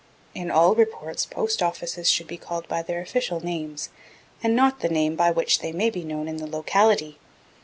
In all reports Post Offices should be called by their official names, and not by the name by which they may be known in the locality.